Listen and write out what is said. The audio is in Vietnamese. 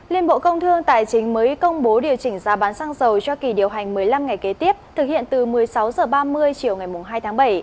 liên bộ công thương tài chính mới công bố điều chỉnh giá bán xăng dầu cho kỳ điều hành một mươi năm ngày kế tiếp thực hiện từ một mươi sáu h ba mươi chiều ngày hai tháng bảy